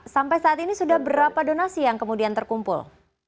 sampai saat ini sudah berapa donasi yang kemudian terkumpul